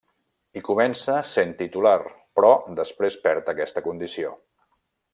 Hi comença sent titular, però després perd aquesta condició.